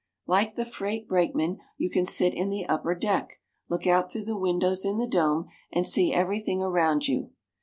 Like the freight brakeman, you can sit in the upper deck, look out through the windows in the dome and see everything around you.